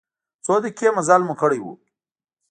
څو دقیقې مزل مو کړی و.